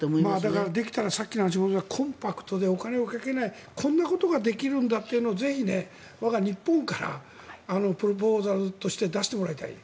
だから、さっきの話もコンパクトでお金をかけないこんなことができるんだというのをぜひ、我が日本からプロポーザルとして出してもらいたい。